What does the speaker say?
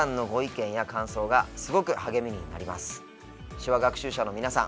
手話学習者の皆さん